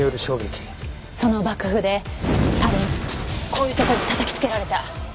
その爆風で多分こういうとこに叩きつけられた。